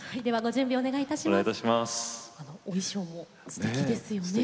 お衣装もすてきですよね。